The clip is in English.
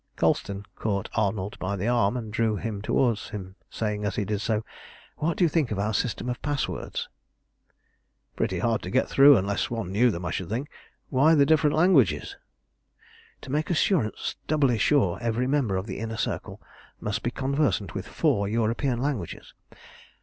Colston caught Arnold by the arm, and drew him towards him, saying as he did so "What do you think of our system of passwords?" "Pretty hard to get through unless one knew them, I should think. Why the different languages?" "To make assurance doubly sure every member of the Inner Circle must be conversant with four European languages.